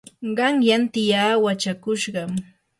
qanyan tiyaa wachakushqam.